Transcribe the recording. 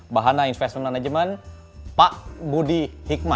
bahana investment management pak budi hikmah